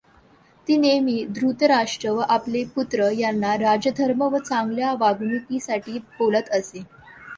ती नेहेमी धृतराष्ट्र व आपले पुत्र यांना राजधर्म व चांगल्या वागणूकीसाठी बोलत असे.